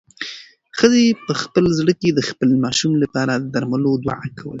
ښځې په خپل زړه کې د خپل ماشوم لپاره د درملو دعا کوله.